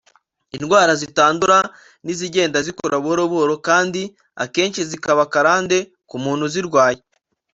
Indwara zitandura ni izigenda zikura buhoro buhoro kandi akenshi zikaba karande ku muntu uzirwaye